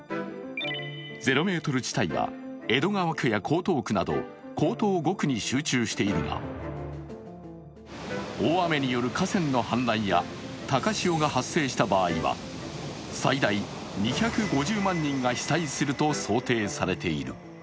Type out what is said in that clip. ０ｍ地帯は江戸川区や江東区など江東５区に集中しているが、大雨による河川の氾濫や高潮が発生した場合は最大２５０万人が被災すると想定されている。